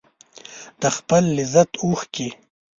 د خپل لذت اوښکې